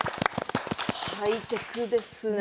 ハイテクですね。